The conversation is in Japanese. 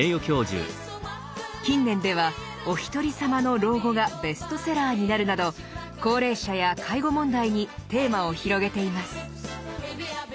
近年では「おひとりさまの老後」がベストセラーになるなど高齢者や介護問題にテーマを広げています。